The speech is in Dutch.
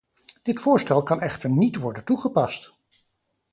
Dit voorstel kan echter niet worden toegepast.